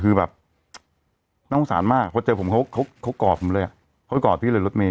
คือแบบน่าโง่สารมากเขาเจอผมเขาเขาเขากอบผมเลยอ่ะเขากอบพี่เลยรถเมล์